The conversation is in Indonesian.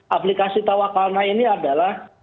aplikasi tawakalna ini adalah